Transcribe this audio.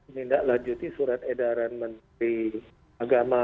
ini tidak lanjuti surat edaran menteri agama